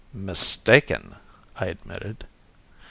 "Mistaken," I admitted.